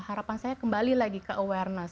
harapan saya kembali lagi ke awareness